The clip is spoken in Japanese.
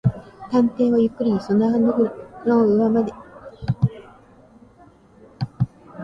探偵はゆっくりその穴ぐらの上まで歩いていきますと、あいたままになっている入り口をのぞきこんで、二十面相によびかけました。